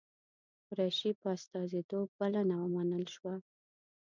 قریشي په استازیتوب بلنه ومنل شوه.